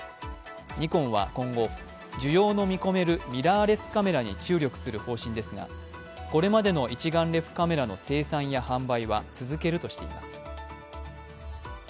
ニコンは今後、需要の見込めるミラーレスカメラに注力する方針ですがこれまでの一眼レフカメラの生産や販売は続けるとしています。